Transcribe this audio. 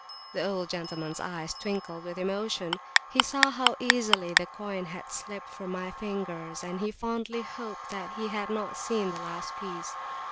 The old gentlemans eyes twinkled with emotion: he saw how easily the coin had slipped from my fingers, and he fondly hoped that he had not seen the last piece.